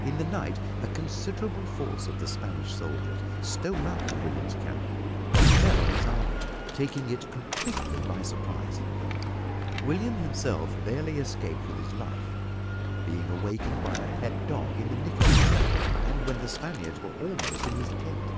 In the night a considerable force of the Spanish soldiers stole up to William's camp and fell upon his army, taking it completely by surprise. William himself barely escaped with his life, being awakened by a pet dog in the nick of time, and when the Spaniards were almost in his tent.